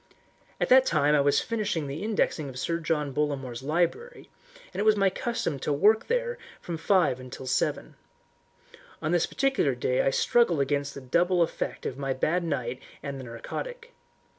At that time I was finishing the indexing of Sir John Bollamore's library, and it was my custom to work there from five till seven. On this particular day I struggled against the double effect of my bad night and the narcotic.